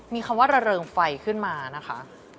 มีคำว่าระเริงไฟขึ้นมานะคะ